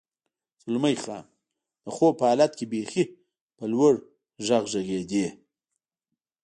زلمی خان: د خوب په حالت کې بېخي په لوړ غږ غږېدې.